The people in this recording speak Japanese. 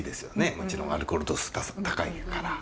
もちろんアルコール度数高いから。